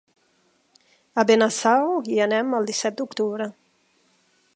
A Benasau hi anem el disset d'octubre.